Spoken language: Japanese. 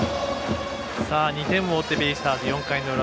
２点を追ってベイスターズ４回の裏